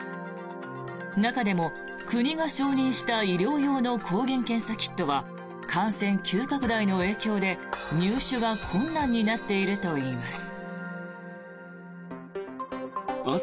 中でも国が承認した医療用の抗原検査キットは感染急拡大の影響で、入手が困難になっているといいます。